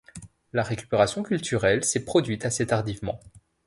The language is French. La récupération culturelle s'est produite assez tardivement.